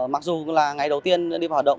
mặc dù là ngày đầu tiên đi vào hoạt động